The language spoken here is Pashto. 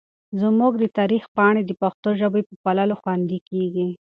زموږ د تاریخ پاڼې د پښتو ژبې په پاللو خوندي کېږي.